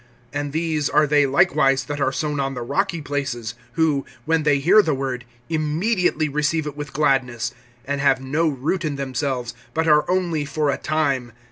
(16)And these are they likewise that are sown on the rocky places; who, when they hear the word, immediately receive it with gladness; (17)and have no root in themselves, but are only for a time.